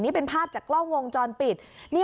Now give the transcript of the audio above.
นี่เป็นภาพจากกล้องวงจรปิด